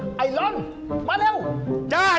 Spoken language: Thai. อุ๊ยใจเย็นดีอ็ะโทษฐาน